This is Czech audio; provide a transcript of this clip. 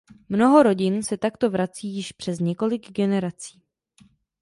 Mnoho rodin se takto vrací již přes několik generací.